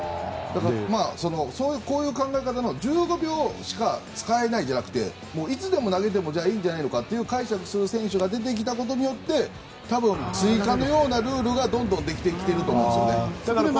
そういう考え方の１５秒しか使えないじゃなくていつでも投げてもいいんじゃないのかと解釈する選手が出てきたことで多分、追加のようなルールがどんどんできてきていると思うんですよね。